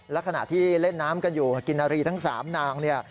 และขณะที่เล่นน้ำกันอยู่กินนารีทั้ง๓นางเนี่ย